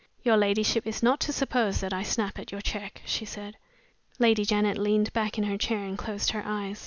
"Your ladyship is not to suppose that I snap at your check," she said. Lady Janet leaned back in her chair and closed her eyes.